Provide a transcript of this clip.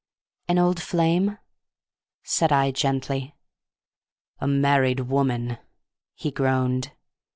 "An old flame?" said I, gently. "A married woman," he groaned.